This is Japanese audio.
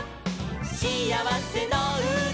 しあわせのうた」